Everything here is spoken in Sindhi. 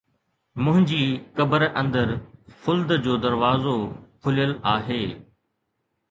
منهنجي قبر اندر خلد جو دروازو کليل آهي